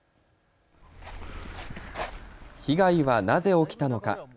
被害はなぜ起きたのか。